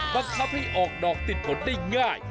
ประกับให้อกโดรกติดผลได้ง่าย